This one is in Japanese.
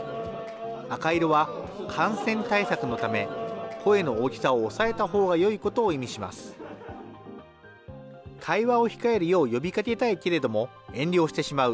赤色は感染対策のため、声の大きさを抑えたほうがよいことを意味します。